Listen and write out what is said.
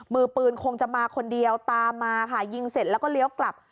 มือปืนคงจะมาคนเดียวตามมาค่ะยิงเสร็จแล้วก็เลี้ยวกลับ